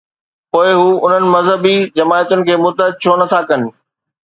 پوءِ هو انهن مذهبي جماعتن کي متحد ڇو نه ٿا ڪن؟